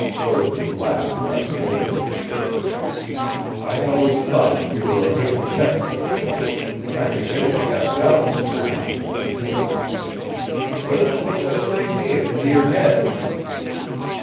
Lerton laughed rather nervously. "I always thought that you were a good detective, Jim, but I am beginning to have doubts now," he said. "What has put such an idea into your head?"